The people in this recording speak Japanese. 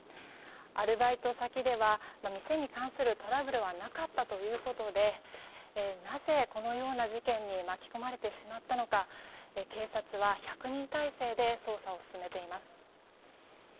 アルバイト先では店に関するトラブルはなかったということでなぜ、このような事件に巻き込まれてしまったのか警察は１００人態勢で捜査を進めています。